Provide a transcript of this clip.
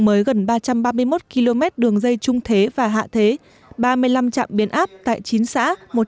mới gần ba trăm ba mươi một km đường dây trung thế và hạ thế ba mươi năm trạm biến áp tại chín xã